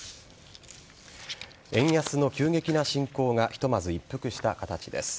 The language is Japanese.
円安の急激な進行がひとまず一服した形です。